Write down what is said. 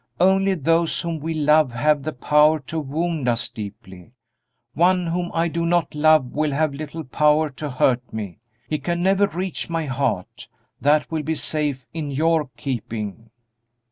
"Only those whom we love have the power to wound us deeply; one whom I do not love will have little power to hurt me; he can never reach my heart; that will be safe in your keeping."